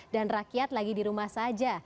dan rakyat lagi di rumah saja